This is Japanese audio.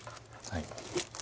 はい。